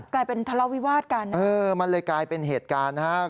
กลายเป็นทะเลาวิวาสกันเออมันเลยกลายเป็นเหตุการณ์นะครับ